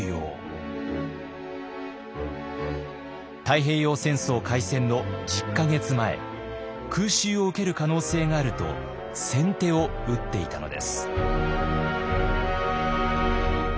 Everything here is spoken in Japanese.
太平洋戦争開戦の１０か月前空襲を受ける可能性があると先手を打っていたのです。